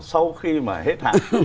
sau khi mà hết hạn